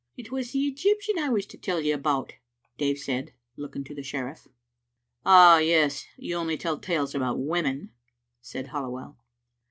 57 " It was the Egyptian I was to tell you about," Dave said, looking to the sheriff. "Ah, yes, yon only tell t&les about women," said Halliwell.